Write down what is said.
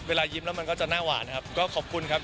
เวลายิ้มแล้วมันก็จะหน้าหวานครับ